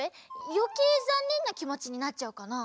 よけいざんねんなきもちになっちゃうかなあ？